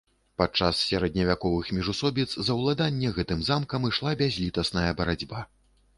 Падчас сярэдневяковых міжусобіц за ўладанне гэтым замкам ішла бязлітасная барацьба.